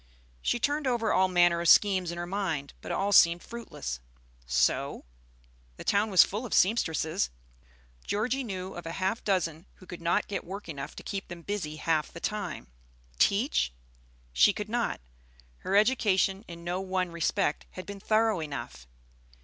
She turned over all manner of schemes in her mind, but all seemed fruitless. Sew? The town was full of sempstresses. Georgie knew of half a dozen who could not get work enough to keep them busy half the time. Teach? She could not; her education in no one respect had been thorough enough.